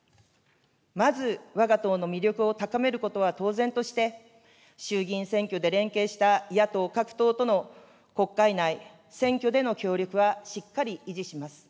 まず、わが党の魅力を高めることは当然として、衆議院選挙で連携した野党各党との国会内、選挙での協力はしっかり維持します。